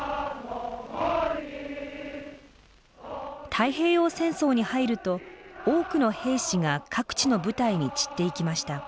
太平洋戦争に入ると多くの兵士が各地の部隊に散っていきました。